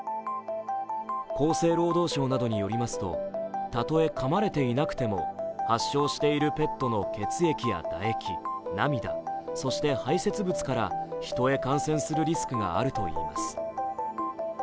厚生労働省などによりますとたとえ噛まれていなくても発症しているペットの血液や唾液、涙、そして排せつ物からヒトへ感染するリスクがあるといいます。